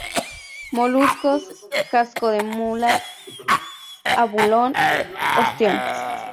Moluscos: casco de mula, abulón, ostión.